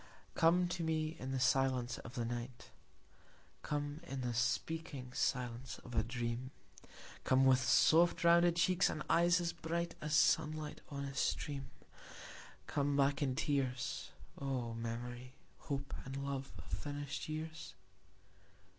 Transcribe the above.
Come to me in the silence of the night; Come in the speaking silence of a dream; Come with soft rounded cheeks and eyes as bright As sunlight on a stream; Come back in tears, O memory, hope and love of finished years.